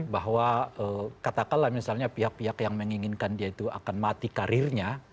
bahwa katakanlah misalnya pihak pihak yang menginginkan dia itu akan mati karirnya